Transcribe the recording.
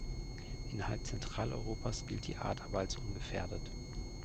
Innerhalb Zentraleuropas gilt die Art aber als ungefährdet.